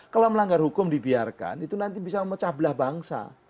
kalau melanggar hukum dibiarkan itu nanti bisa memecah belah bangsa